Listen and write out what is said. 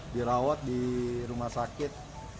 dirawat di rumah sakit